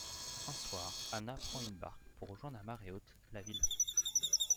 Un soir, Anna prend une barque pour rejoindre à marée haute la villa.